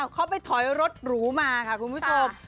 เข้าไปถอยรถหรูมาค่ะคุณพิศพภ์